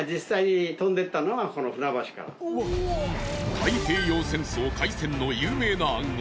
太平洋戦争開戦の有名な暗号